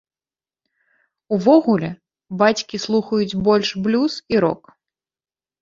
Увогуле, бацькі слухаюць больш блюз і рок.